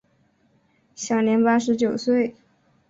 享年八十九岁。